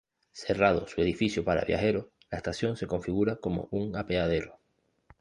Cerrado su edificio para viajeros la estación se configura como un apeadero.